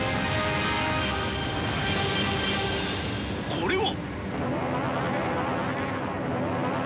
これは。